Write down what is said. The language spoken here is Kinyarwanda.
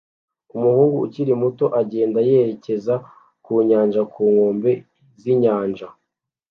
Umuhungu ukiri muto agenda yerekeza ku nyanja ku nkombe z'inyanja